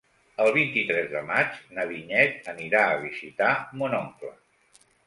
El vint-i-tres de maig na Vinyet anirà a visitar mon oncle.